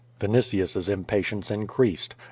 Vinitius^s impatience increased.